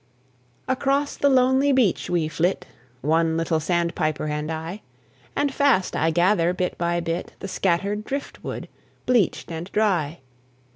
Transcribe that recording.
Across the lonely beach we flit, One little sandpiper and I, And fast I gather, bit by bit, The scattered driftwood, bleached and dry.